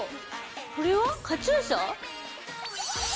これはカチューシャ？